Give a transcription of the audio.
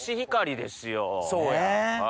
そうや。